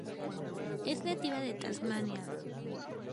Es nativa de Tasmania.